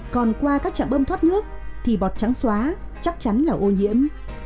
còn qua các trạm bơm thoát nước thì bọt trắng xóa chắc chắn là ô nhiễm